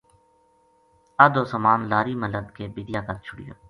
ادھو سامان لاری ما لد کے بِدیا کر چھُڑیو